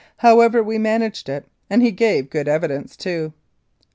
However, we managed it, and he gave good evidence, too.